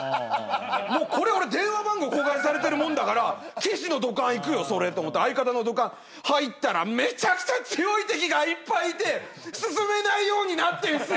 もうこれ俺電話番号公開されてるもんだからキシの土管行くよそれと思って相方の土管入ったらめちゃくちゃ強い敵がいっぱいいて進めないようになってんすよ！